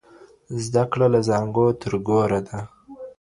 زده کړه له زانګو تر ګوره ده.